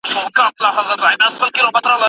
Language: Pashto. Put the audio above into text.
موږ به په دې چمن کې د مېوو نوې ډولونه وکرو.